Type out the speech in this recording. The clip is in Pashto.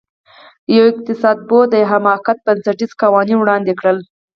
یوه اقتصادپوه د حماقت بنسټیز قوانین وړاندې کړل.